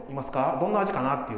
どんな味かなっていう。